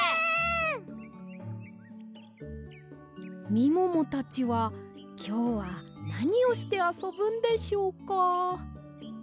みももたちはきょうはなにをしてあそぶんでしょうか？